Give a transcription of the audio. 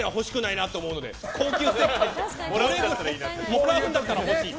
もらうんだったら欲しい。